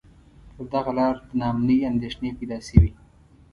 پر دغه لار د نا امنۍ اندېښنې پیدا شوې.